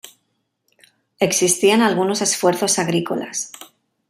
Existían algunos esfuerzos agrícolas.